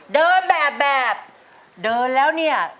เดินแบบเดินแล้วเนี่ย